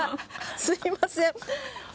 すみません。